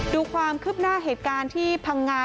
ดูความคืบหน้าเหตุการณ์ที่พังงา